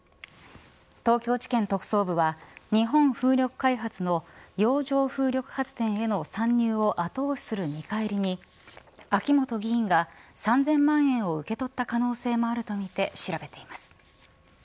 東京地検特捜部は日本風力開発の洋上風力発電への参入を後押しする見返りに秋本議員が３０００万円を受け取った可能性もあるとみて調べています。